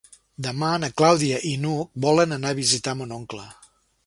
Demà na Clàudia i n'Hug volen anar a visitar mon oncle.